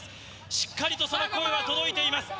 しっかりとその声は届いています。